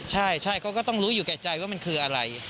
ใช่เขาก็ต้องรู้อยู่แก่ใจว่ามันคืออะไร